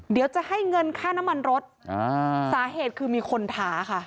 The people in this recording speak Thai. เดี๋ยวจะให้เงินค่าน้ำมันรถอ่าสาเหตุคือมีคนท้าค่ะ